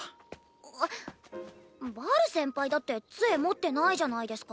あっバル先輩だって杖持ってないじゃないですか。